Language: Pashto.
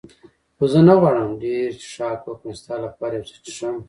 خو زه نه غواړم ډېر څښاک وکړم، ستا لپاره یو څه څښم.